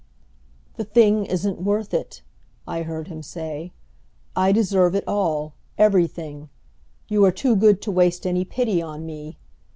"The thing isn't worth it," I heard him say, "I deserve it all everything! You are too good to waste any pity on me!